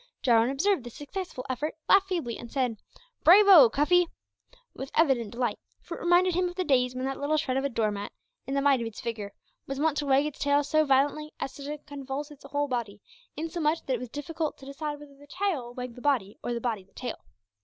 Jarwin observed the successful effort, laughed feebly, and said, "Brayvo, Cuffy," with evident delight; for it reminded him of the days when that little shred of a door mat, in the might of its vigour, was wont to wag its tail so violently as to convulse its whole body, insomuch that it was difficult to decide whether the tail wagged the body, or the body the tail!